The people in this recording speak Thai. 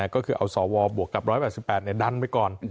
ก็คือเอาสวบวกกับ๑๘๘ดันไปก่อน